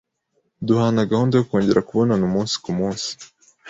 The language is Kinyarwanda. duhana gahunda yo kongera kubonana umunsi ku munsi,